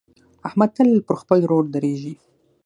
احمد تل پر خپل ورور درېږي.